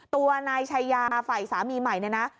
ตัวนายชายาฝ่ายสามีใหม่เนี่ยนะ